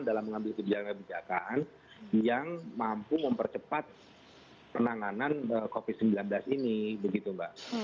dalam mengambil kebijakan kebijakan yang mampu mempercepat penanganan covid sembilan belas ini begitu mbak